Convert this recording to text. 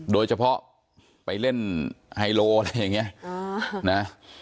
โดยเฉพาะไปเล่นไฮโลอะไรอย่างนี้นะ